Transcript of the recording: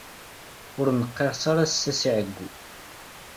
Ur neqqerṣ ara ass-a si ɛeggu.